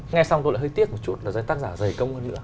nghe xong tôi lại hơi tiếc một chút là do tác giả dày công hơn nữa